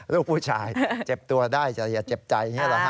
ลูกผู้ชายเจ็บตัวได้จะอย่าเจ็บใจ